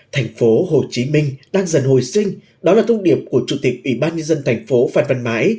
thành phố hồ chí minh đang dần hồi sinh đó là thông điệp của chủ tịch ủy ban nhân dân thành phố phan văn mãi